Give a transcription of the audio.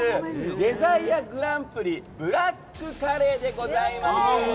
デザイアグランプリブラックカレーでございます。